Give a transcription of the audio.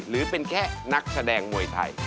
หรือเป็นแค่นักแสดงมวยไทย